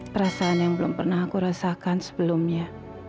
perasaan yang belum pernah aku rasakan sebelumnya